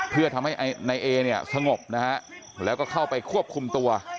เพื่อทำให้นายเอเนี่ยสงบนะฮะแล้วก็เข้าไปควบคุมตัว